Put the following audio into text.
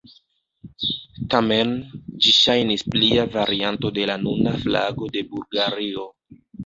Tamen, ĝi ŝajnis plia varianto de la nuna flago de Bulgario.